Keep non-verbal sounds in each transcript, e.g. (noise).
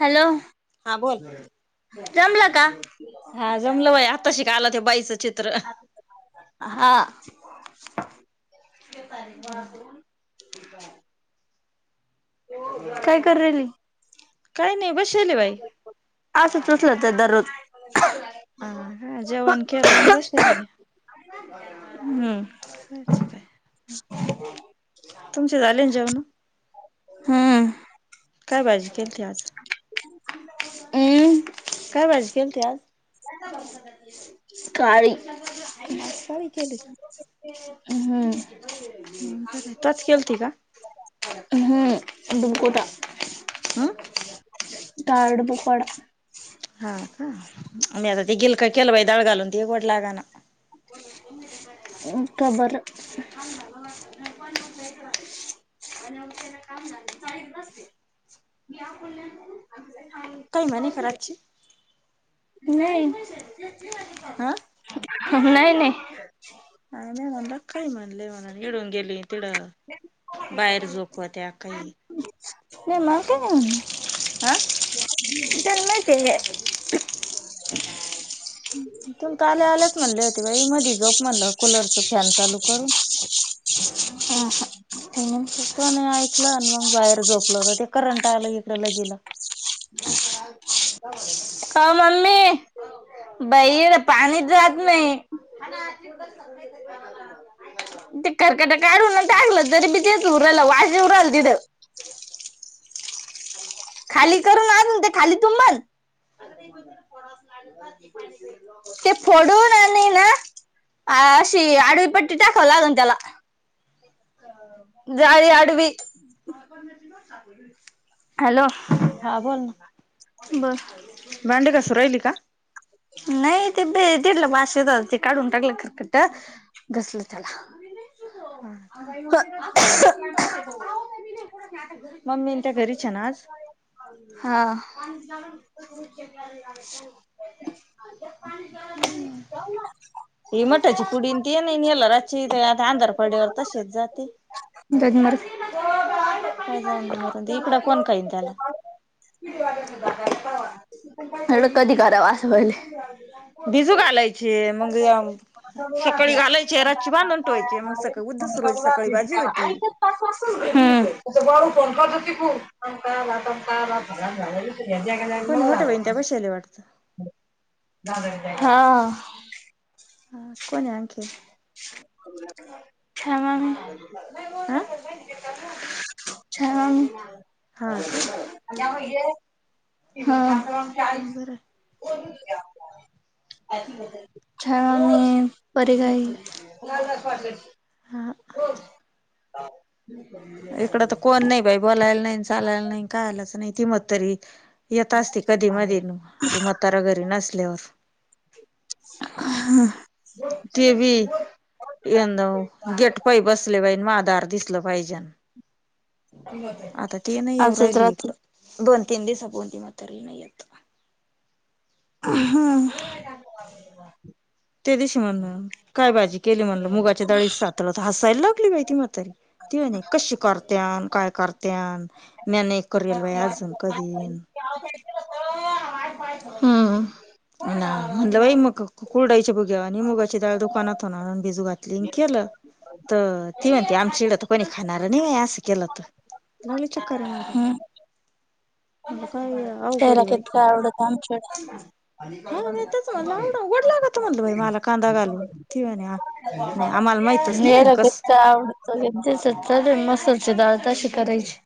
Hello हा बोल जमला का हा जमलं बाई आता शिका आला ते बाईचं चित्र हा (inaudible) काय करराल काही नाही बर असं चचलं तर दररोज हा हा जेवण केलं आणि बसले ब अच काय तुमचे झालेन जेवण हम्म काय बाजी केेलती आज हम् काय वाजे गेल ते आज काळी आजकाळी केली हम्म बर तच केलती का हम्म उडबकोठ हम् काड बूकवाडा हा का आम्ही आता ते गिलक केलं बा दळ घालून त गोड लागा ना खबर (inaudible) आणिला काम झा जाहीत नसते मीडल्या काही म नाही खराबची नाही हा नाही नाही मी म्हणल काही म्हणले म्हणून घिडून गेली तिडं बाहेर झोपवत्या काही नाही मल का नाही आ (unintelligible) तुम तर आल्या आल्याच म्हणले होते, बाई मधी झोप म्हणलं कुलरच फॅन चालू करून (unintelligible) लं आणि मग बाहेर झोपलं होत. ते करंट आलं इकडला गेलं का ओ मम्मी बाई पाणी जात नाही. ते खरकट काढून टाकलं तरी बीच उरलं वाशे उराल तिथं खाली करून आ ते खाली तु मण ते फोडून आणि ना अ अशी आडवी पट्टी टाकाव लागल त्याला जारी आडवी. हॅलो हा. बोल ना. बर भांडे घासू राहिली का? नाही ते, दिडलं बाषेत ते काढून टाकलं खरकट. घसल त्याला (inaudible) मम्मी न त्या घरीचे ना आज? हा. (unintelligible) ह मठाची पुडीन त नाही नल रची आता आंधार पड्यावर तसेच जाते. (unintelligible) काय जाण दे मर ते इकड कोण काहीन त्याला एढं कधी कराव असं भहिले भिजू घालायचे, मग सकाळी घालायचे रातची बांधून ठोवायचे मग सकाळी उद्या रोज सकाळी भाजी होती हम कोणी मोठ्या बहीण त्या बसायला (unintelligible) वाटतं हा. हा कोण आणंखेल? ह माग आ (unintelligible) ह हा का बरं छ मी परे काई (inaudible) हा (unintelligible) इकड तर कोण नाही बाई. बोलायला नाही, चालायला नाही. कालाच नाही ति म तरी येत असते कधी मदी ते मतारा घरी नसल्यावर ते बी हा. गेट पाय बसले पाज माधार दिसलं पाहिजे आता ती नाही ये आलसेच राहिली राहते इकडं दोन केंदसप त मात नाही येत. हम ते दिशी म्हणल काय भाजी केली म्हणल मुगाच्या डळीत सातलं तर हसायला त म तरी त कशी करत्यान, काय करत्यान, मी नाही करल बाईज (unintelligible) हम्म ना म्हणलं बाई मग कुरडायचे बुघेवा आणि मुगाची डाळ दुकानात होणार भिजू घात लि केलं तर ती म्हणते आमच्या इड तर कोणी खाणार नाही असं केलं तर लागले चक्कर आहे मारावी हम्म त्याला कत का आवडतमच्याड हाताच म्हण आवड ओडला म्हटलं मला कांदा घालून ठवाणे नेर गेत आडत गे सत मसच आळता श करयची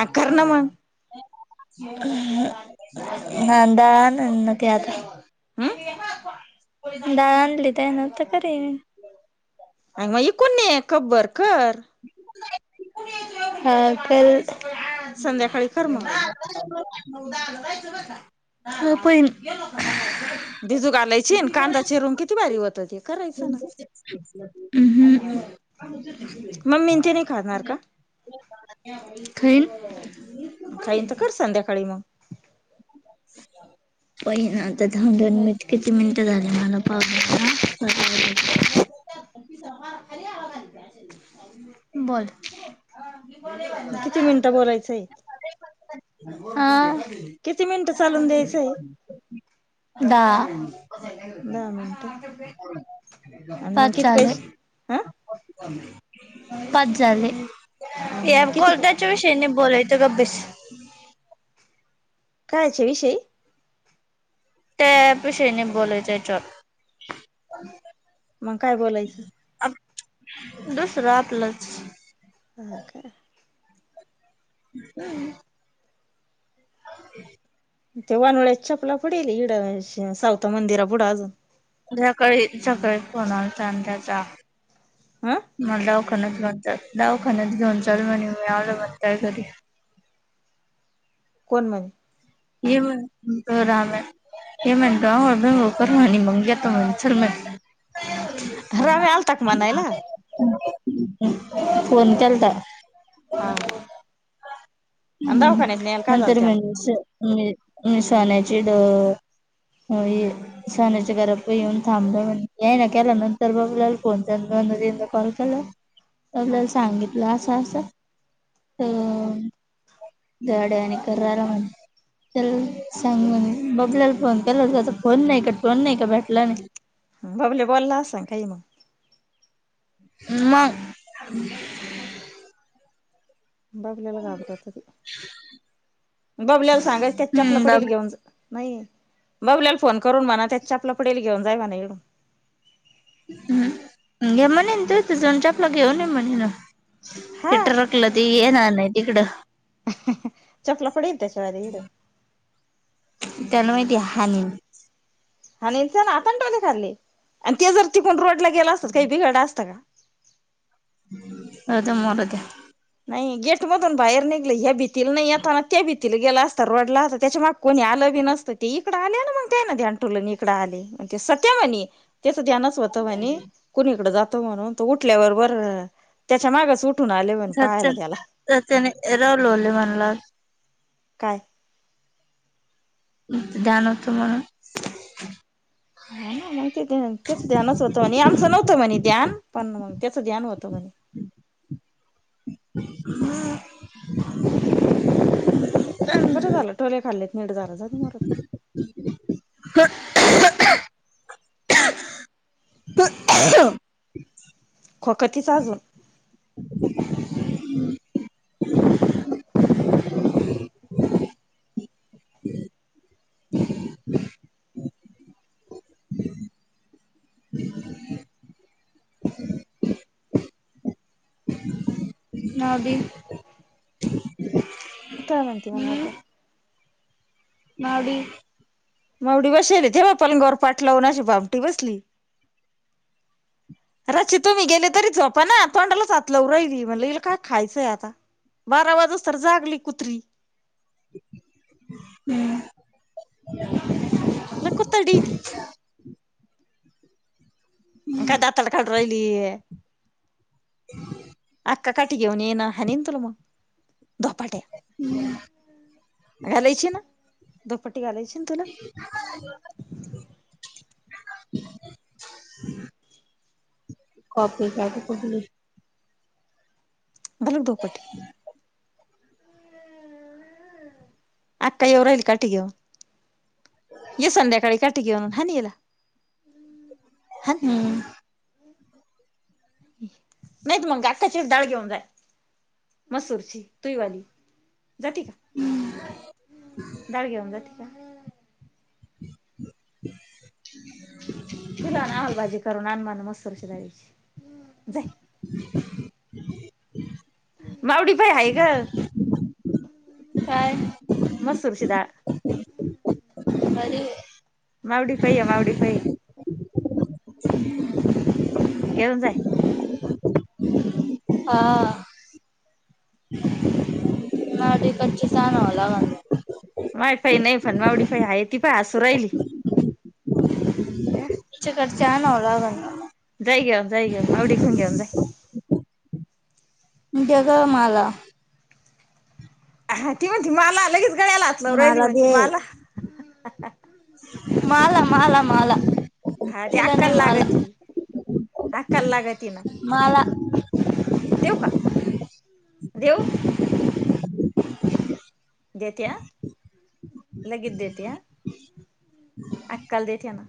अ कर ना मग नांदा न न कता हम् ळ आणली तर आहे ना तर कररी म अ म कोण खबबरकर हा पल संध्याकाळी कर मग. खपन (inaudible) भिजू घालायची आणि कांदा चिरून किती भारी होतं ते करायचं ना. मम्मी न ते नाही खाणार का? खैल खाईन तर कर संध्याकाळी मग पहि ना तर दन दोन मिनट किती मिनिटं झाले मला पाव बोल किती मिनिटं बोलायचंय हा किती मिनिटं चालून द्यायचंय दा दहा मिनिटं आणि मग पाच किती पैसे चालेल हा पाच झाले या आणि किती कोलटाच्या विषयने बोलायत ग बेस कायचे विषय त्यापषेनी बच्या च मग काय बोलायचं दुसरा आप्लच हा का (inaudible) (inaudible) ते वानोळ्या चपला पडेल इड सावता मंदिरा पुुढं आजून. सकाळी सकाळी फोन आलता न त्याचा हा म्हणलं. दावखान्यात घेऊन चाल दावखान्यात घेऊन चाल म्हनि मी आलो म्हनि जात घरी. कोण म्हणे? ये म त राम्या. ते म्हणत आंघोळ बिंघोळ कर म्हनि मग येतो म्हनि चल म.. राम्या आलता का मनायला. फोन केलता. हा. आणि हम्म दवाखान्यात न्यायला काय झालं नंतर त्याला म्हणजे मि मिसाण्याची ड.. होय साण्याच्या घरा पही येऊन थांबलं म्हण यायना केला नंतर बबल्याला फोन चाल.. दोन दा तिनदा कॉल केला हा आपल्याला सांगितलं आसं आसं.. हो येड्या वानी करू रायला म्हनि. तेल सांग म्हनि बबल्याला फोन केला त्याचा फोन नाही का टोन नाही का भेटला नाही. बबल्या बोलला आसन काही मंग. मग. बबल्याला घाबरत ते बबल्याला सांगायच त्याच्या चपला हम्म पडेल बब घेऊन जा. नाही बबल्याला फोन करून म्हणा त्याच्या चपला पडेल घेऊन जाय म्हणा ईडून. हम्, हे म्हणिन तेथ जवुन चपला घेऊन ये म्हणेना. हा तेटरकलं ते येणार नाही तिकडं. चपला पडेल त्याच्या इड त्याला महिती हानीन. (inaudible) हानच ना हातन टोले खाल्ले आणि ते जर तिखुन रोड ला गेल असत काही बिघडल आसतं का. जाऊ द्या मरू द्या. नाही गेट मधून बाहेर निघले ह्या भीतीला नाही येताना त्या भिती... तिला गेलं असतं रडल असतं त्याच्या माग कोणी आलं बी नसतं ते इकड आले ना मग त्यायना ध्यान टुलन इकड आले. ते सत्या म्हणे त्याचं ध्यानाच.. तोत म्हनि कुणीकड जात म्हणून तो उटल्यावर बर त्याच्या मागच ऊढुन आले म्ह... चच चत्याने रावलंवले म्हणला आ.. काय. (inaudible) हा ना मग ते तेच ध्यानच होतं म्हणे आमचं नव्हत. होत म्हणे ध्यान पण मग त्याचं ध्यान होत म्हणे हम बरं झालं टोले खाल्लेत निट झालं जे... ते... तर.. खोकतीच आजून. (inaudible) नावडी. काय म्हणती मग आता. मावडी. मावडी बसेल हे तेव्हा आपण गोरपाठ लावून अशी भामटी बसली. (inaudible) रातची तुम्ही गेले तरी जोपाना तोंडालाच हात लऊ राहिली म्हणलं ईला काय खायचंय आता. बारा वाजु तर जागली कुत्री. हम्म. लय कुतडी ती. काय दातडकडू राहिलीय. आता काटी घेऊन येईल हानीन तुला मग दधोपाट्या. घालायची ना दुपट्टी घालायची ना तुला? (inaudible) Coffee cat पठली. घालू का दोपाटी. आता येऊ राहिली काटी घेऊन. ये संध्याकाळी काठी घेऊन म्हणून हाण हिला. हान हम्म नाहीत मगंग अकाची डाळ घेऊन जाय. मसूरची तुईवाली जाती का. दाळ घेऊन जाती का? तिला आम्हाला भाजी करून आण म्हणा मसूरची डाळीची जाय. मावडी पाय हाय ग. काय मसुरची दाळ मावडी पाई आहे मावडी पाई घेऊन जाय. हा कच्ची आणावा लागेल ग. माय पाई नाही पण मावडी पाई आहे ती पण हसू राहिली त्या त्याच्याकडच्या आहे आणला लागेल ना मग. जाई घेऊन जाई घेऊन मावडीकडून घेऊन जाई. दे ग मला. ह ती म्हणती माला लगेच गळ्याला हातलाऊ रहिली ती म्हणती माला. माला माला माला हा ती तिला अक्काला नाही माला लागती अक्काला लागती ना माला देऊ का देऊ? (inaudible) देते अ लगेच देते अ. अक्का ला देते ना